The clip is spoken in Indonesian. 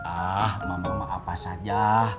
ah mamang mah apa saja